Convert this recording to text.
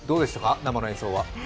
生の演奏は。